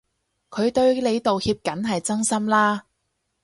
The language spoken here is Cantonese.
佢對你道歉梗係真心啦